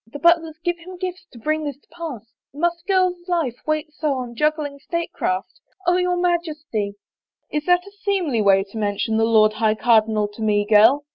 The Butlers give him gifts to bring this to pass — must a girl's life wait so on juggling state craft? Oh, your Majesty —"" Is that a seemly way to mention the Lord High Cardinal to me, girl